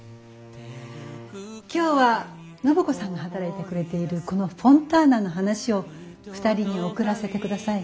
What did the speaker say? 今日は暢子さんが働いてくれているこのフォンターナの話を二人に贈らせてください。